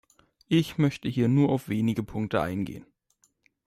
Ich möchte hier nur auf wenige Punkte eingehen.